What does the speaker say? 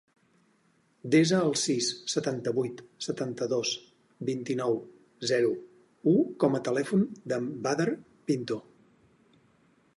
Desa el sis, setanta-vuit, setanta-dos, vint-i-nou, zero, u com a telèfon del Badr Pinto.